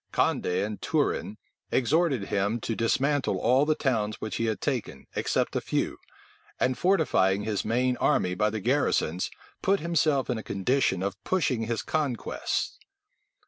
Condé and Turenne exhorted him to dismantle all the towns which he had taken, except a few; and fortifying his main army by the garrisons, put himself in a condition of pushing his conquests.